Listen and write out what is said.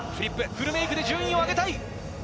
フルメイクで順位を上げたい。